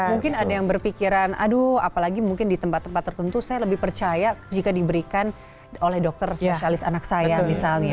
mungkin ada yang berpikiran aduh apalagi mungkin di tempat tempat tertentu saya lebih percaya jika diberikan oleh dokter spesialis anak saya misalnya